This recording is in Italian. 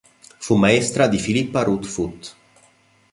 Fu maestra di Philippa Ruth Foot.